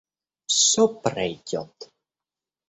Все пройдет.